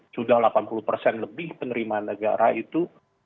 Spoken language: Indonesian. sudah delapan puluh persen lebih penerimaan negara itu